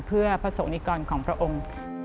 เพื่อพระสงคณิกรของพระองค์